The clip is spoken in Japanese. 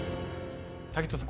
滝藤さん